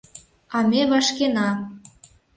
А ме вашкена...